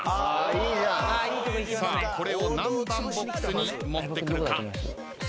これを何番ボックスに持ってくるか？